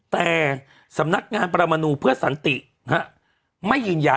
แต่สำนักงานประมนูเพื่อสันติไม่ยืนยัน